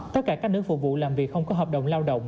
tất cả các nữ phục vụ làm việc không có hợp đồng lao động